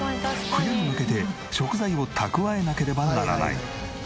冬に向けて食材を蓄えなければならない。